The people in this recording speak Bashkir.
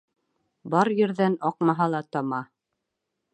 Бар ерҙән аҡмаһа ла тама.